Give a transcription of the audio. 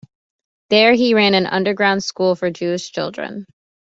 There he ran an underground school for Jewish children.